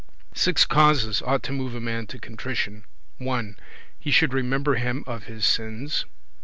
Six causes ought to move a man to contrition: 1. He should remember him of his sins; 2.